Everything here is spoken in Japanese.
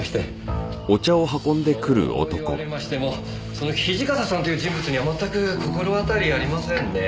そう言われましてもその土方さんという人物には全く心当たりありませんね。